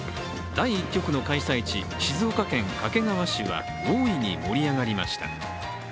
第１局の開催地、静岡県掛川市は大いに盛り上がりました。